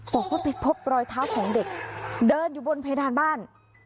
บอกว่าไปพบรอยเท้าของเด็กเดินอยู่บนเพดานบ้าน